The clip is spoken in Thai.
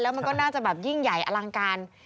มันก็น่าจะแบบยิ่งใหญ่อลังการ